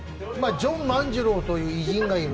ジョン万次郎という偉人がいる。